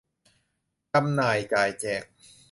จำหน่ายจ่ายแจก